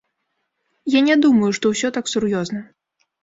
Я не думаю, што ўсё так сур'ёзна.